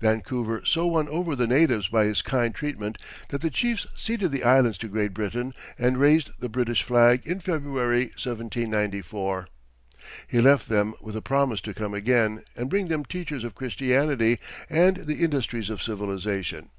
Vancouver so won over the natives by his kind treatment that the chiefs ceded the Islands to Great Britain and raised the British flag in February, 1794. He left them with a promise to come again and bring them teachers of Christianity and the industries of civilization.